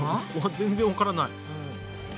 全然わからない。